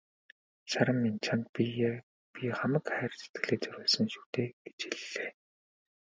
"Саран минь чамд би хамаг хайр сэтгэлээ зориулсан шүү дээ" гэж хэллээ.